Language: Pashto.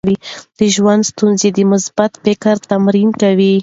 د ژوند ستونزې د مثبت فکر تمرین کوي.